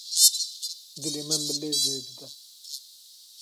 Dilê min bi lez lê dide.